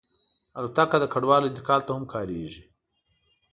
الوتکه د کډوالو انتقال ته هم کارېږي.